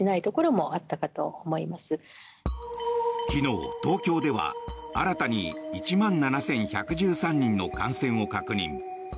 昨日、東京では新たに１万７１１３人の感染を確認。